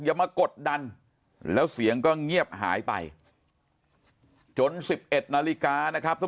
มากดดันแล้วเสียงก็เงียบหายไปจน๑๑นาฬิกานะครับทุก